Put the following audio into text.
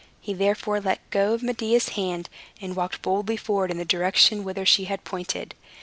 He therefore let go Medea's hand, and walked boldly forward in the direction whither she had pointed.